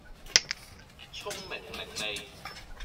聰明伶俐